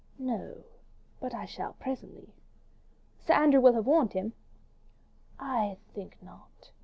"No. But I shall presently." "Sir Andrew will have warned him." "I think not.